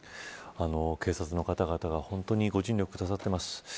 警察の方々が本当にご尽力くださっています。